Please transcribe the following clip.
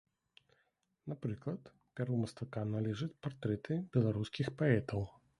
Напрыклад, пяру мастака належаць партрэты беларускіх паэтаў.